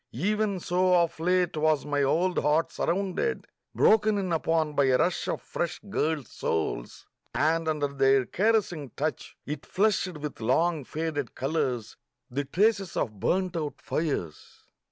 Even so of late was my old heart surrounded, broken in upon by a rush of fresh girls' souls ... and under their caressing touch it flushed with long faded colours, the traces of burnt out fires